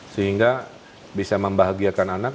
sehingga bisa membahagiakan anak